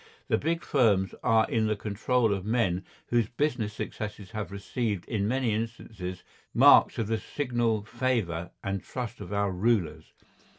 The big firms are in the control of men whose business successes have received in many instances marks of the signal favour and trust of our rulers.